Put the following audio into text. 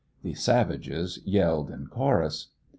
The savages yelled in chorus.